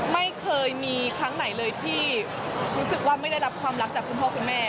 ไม่เคยมีครั้งไหนเลยที่รู้สึกว่าไม่ได้รับความรักจากคุณพ่อคุณแม่